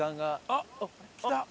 あっ！来た。